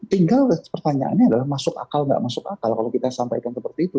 tinggal pertanyaannya adalah masuk akal nggak masuk akal kalau kita sampaikan seperti itu